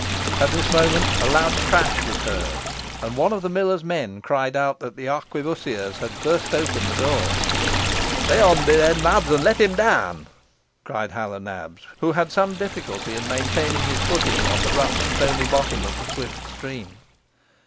At this moment a loud crash was heard, and one of the miller's men cried out that the arquebussiers had burst open the door. "Be hondy, then, lads, and let him down!" cried Hal o' Nabs, who had some difficulty in maintaining his footing on the rough, stony bottom of the swift stream.